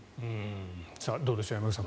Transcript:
どうでしょう、山口さん